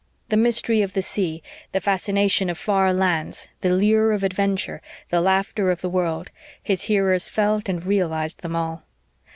The mystery of the sea, the fascination of far lands, the lure of adventure, the laughter of the world his hearers felt and realised them all.